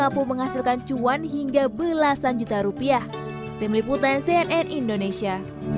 kecuan hingga belasan juta rupiah temeliputan cnn indonesia